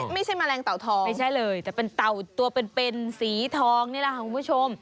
แมลงเต่าทองไม่ใช่เลยแต่เป็นเต่าตัวเป็นสีทองนี่แหละค่ะคุณผู้ชม